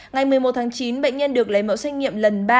ngày một mươi một tháng chín bệnh nhân được lấy mẫu xét nghiệm lần ba